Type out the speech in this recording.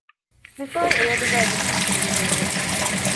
މިފަހަރު އެއަޑުގައި ރިހުން އެކުލެވިގެންވެ